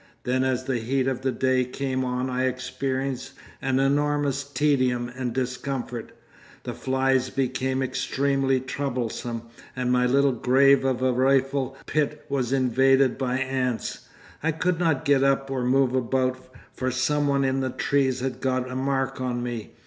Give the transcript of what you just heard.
Then as the heat of the day came on I experienced an enormous tedium and discomfort. The flies became extremely troublesome, and my little grave of a rifle pit was invaded by ants. I could not get up or move about, for some one in the trees had got a mark on me.